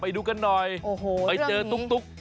ไปดูกันหน่อยไปเจอตุ๊ก